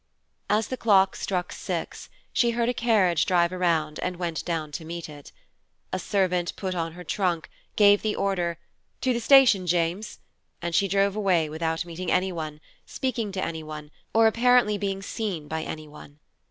As the clock struck six, she heard a carriage drive around and went down to meet it. A servant put on her trunk, gave the order, "To the station, James," and she drove away without meeting anyone, speaking to anyone, or apparently being seen by anyone.